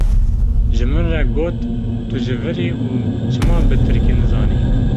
Ji min re got tu ji vir î û çima bi tirkî nizanî.